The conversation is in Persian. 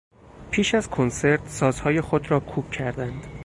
پیش از کنسرت، سازهای خود را کوک کردند.